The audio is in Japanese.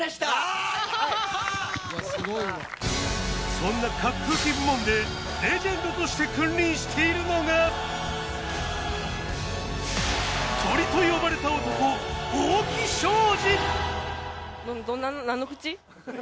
そんな滑空機部門でレジェンドとして君臨しているのがどんな。